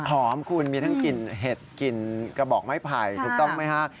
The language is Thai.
ของคุณมีทั้งกลิ่นเห็ดกลิ่นกระบอกไม้ไผ่ถูกต้องไหมฮะ